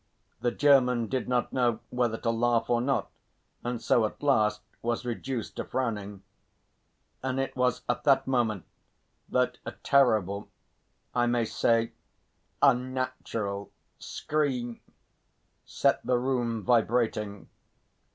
The German did not know whether to laugh or not, and so at last was reduced to frowning. And it was at that moment that a terrible, I may say unnatural, scream set the room vibrating.